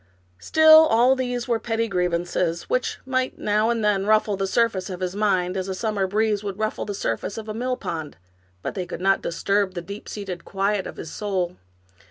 Still all these were petty griev ances, which might now and then ruffle the surface of his mind, as a summer breeze will ruffle the surface of a mill pond, but they could not disturb the deep seated quiet of his soul.